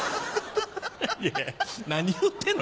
いや何言うてんの？